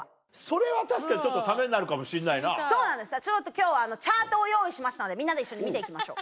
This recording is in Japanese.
今日はチャートを用意しましたのでみんなで一緒に見て行きましょう。